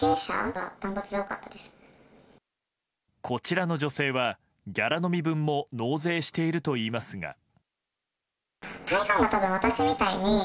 こちらの女性はギャラ飲み分も納税しているといいますが。